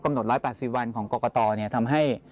ข้อกำหนดร้อยปลาสีวันของกรกฎทำให้